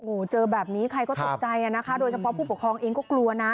โอ้โหเจอแบบนี้ใครก็ตกใจอ่ะนะคะโดยเฉพาะผู้ปกครองเองก็กลัวนะ